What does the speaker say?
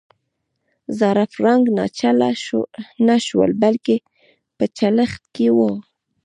زاړه فرانک ناچله نه شول بلکې په چلښت کې وو.